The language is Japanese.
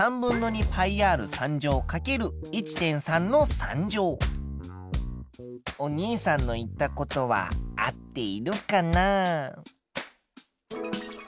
つまりお兄さんの言ったことは合っているかな？